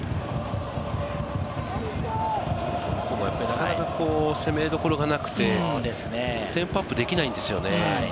なかなか攻めどころがなくてね、テンポアップできないんですよね。